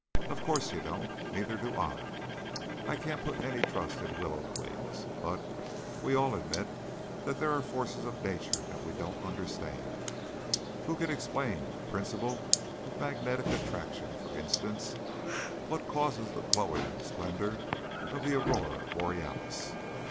Of course you don't. Neither do I. I can't put any trust in willow twigs, but we'll all admit that there are forces of nature that we don't understand. Who can explain the principle of magnetic attraction, for instance? What causes the glowing splendor of the Aurora Borealis?